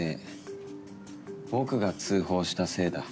僕が通報したせいだ。